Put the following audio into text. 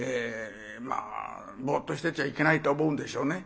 まあぼうっとしてちゃいけないと思うんでしょうね。